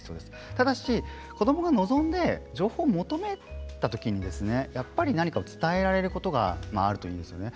ただし子どもが望んで情報を求めた時に何か伝えられることがあるといいですね。